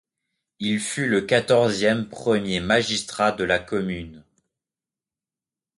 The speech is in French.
Il fut le quatorzième premier magistrat de la commune.